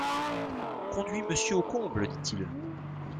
Conduis monsieur au comble, dit-il.